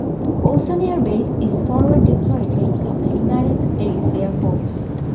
Osan Air Base is a forward deployed base of the United States Air Force.